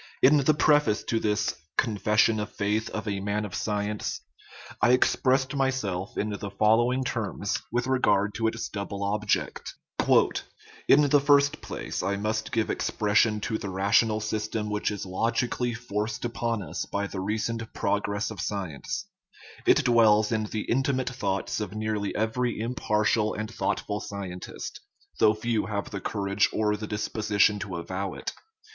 In the preface to this Confession of Faith of a Man of Science I expressed myself in the following words with regard to its double object :" In the first place, I must give expression to the rational system which is logi cally forced upon us by the recent progress of science ; it dwells in the intimate thoughts of nearly every im partial and thoughtful scientist, though few have the courage or the disposition to avow it.